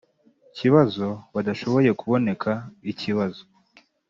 kibazo badashoboye kuboneka ikibazo